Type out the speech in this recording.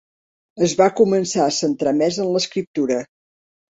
Es va començar a centrar més en l'escriptura.